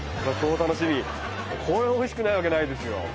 超楽しみこれおいしくないわけないですよ。